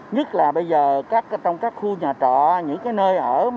nhất là bây giờ trong các khu nhà trọ những nơi ở